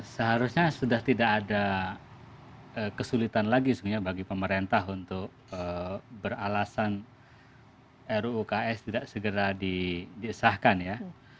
seharusnya sudah tidak ada kesulitan lagi sebenarnya bagi pemerintah untuk beralasan ruuks tidak segera disahkan ya